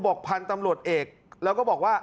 พันธุ์ตำรวจเอกแล้วก็บอกว่า